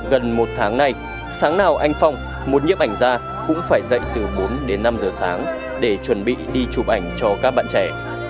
gần một tháng nay sáng nào anh phong một nhiếp ảnh ra cũng phải dậy từ bốn đến năm giờ sáng để chuẩn bị đi chụp ảnh cho các bạn trẻ